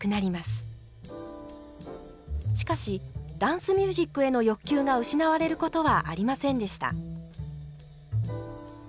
しかしダンスミュージックへの欲求が失われることはありませんでした。